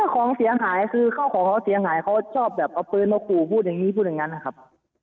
ของเสียหายคือข้าวของเขาเสียหายเขาชอบแบบเอาปืนมาขู่พูดอย่างนี้พูดอย่างนั้นนะครับ